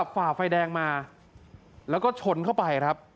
ฝ่าไฟแดงมาแล้วก็ชนเข้าไปครับ